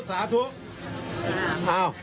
อ้าวเธอบ้าง